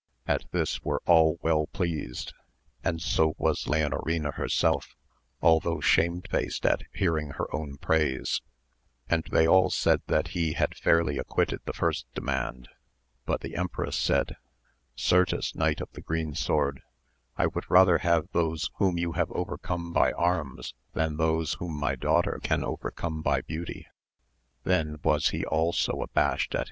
At this were all well pleased, and so was Leonorina herself, although shamefaced at hearing her own pndse,, and they all said that he had fairly acquitted the first, demand ; but the empress said, Gertes Knight of the Green Sword, I would rather have those whom you; have overcome by arms than those whom my daughter can overcome by beauty ! then was he also abashed at.